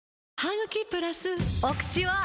お口は！